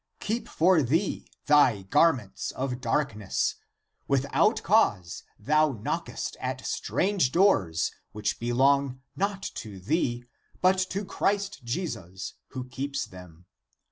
Keep for thee thy garments of darkness; without cause thou knockest at strange doors which belong not to thee, but to Christ Jesus, who keeps them.